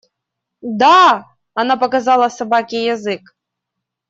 Да! – Она показала собаке язык.